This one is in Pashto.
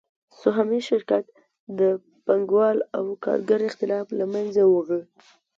سهامي شرکت د پانګوال او کارګر اختلاف له منځه وړي